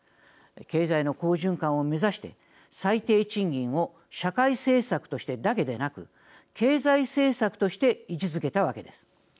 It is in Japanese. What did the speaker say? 経済の好循環を目指して最低賃金を社会政策としてだけでなく経済政策として位置づけたわけです。